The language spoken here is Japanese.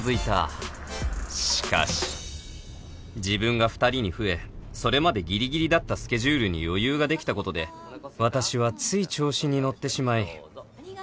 自分が２人に増えそれまでギリギリだったスケジュールに余裕ができたことで私はつい調子に乗ってしまい